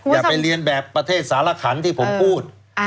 อย่าไปเรียนแบบประเทศสารขันที่ผมพูด